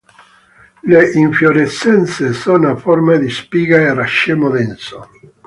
Le infiorescenze sono a forma di spiga o racemo denso.